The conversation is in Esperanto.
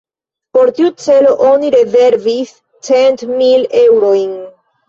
Por tiu celo oni rezervis cent mil eŭrojn.